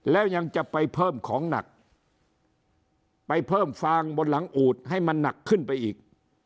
แล้วยังจะไปเพิ่มของหนักไปเพิ่มฟางบนหลังอูดให้มันหนักขึ้นไปอีก